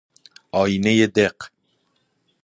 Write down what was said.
آینۀ دق